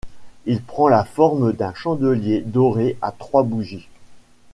Il prend la forme d'un chandelier doré à trois bougies.